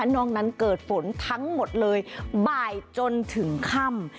นอกนั้นเกิดฝนทั้งหมดเลยบ่ายจนถึงค่ำ